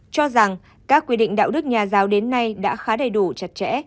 cho rằng các quy định đạo đức nhà giáo đến nay đã khá đầy đủ chặt chẽ